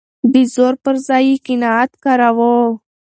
د زور پر ځای يې قناعت کاراوه.